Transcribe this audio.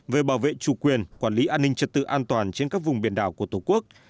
về bảo vệ chủ quyền quản lý an ninh trật tự an toàn trên các vùng biển đảo của tổ quốc